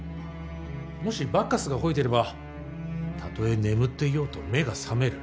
もしバッカスが吠えてればたとえ眠っていようと目が覚める。